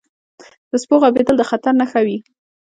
• د سپو غپېدل د خطر نښه وي.